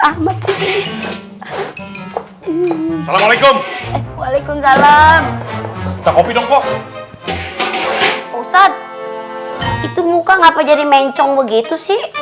amat sih assalamualaikum waalaikumsalam tak opi dong kok usah itu muka ngapa jadi mencong begitu